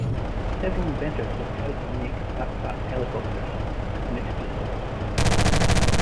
Several inventors have tried to make backpack helicopters, with mixed results.